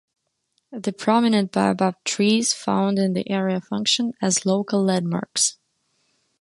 The prominent baobab trees found in the area function as local landmarks.